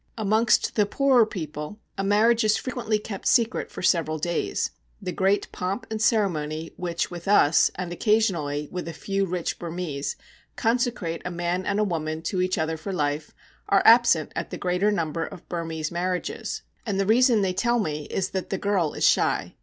Amongst the poorer people a marriage is frequently kept secret for several days. The great pomp and ceremony which with us, and occasionally with a few rich Burmese, consecrate a man and a woman to each other for life, are absent at the greater number of Burmese marriages; and the reason they tell me is that the girl is shy.